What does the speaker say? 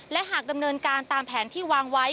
และหากดำเนินการตามแผนที่วางไว้